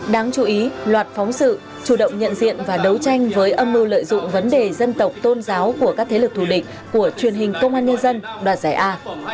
đáng chú ý loạt phóng sự chủ động nhận diện và đấu tranh với âm mưu lợi dụng vấn đề dân tộc tôn giáo của các thế lực thù địch của truyền hình công an nhân dân đoạt giải a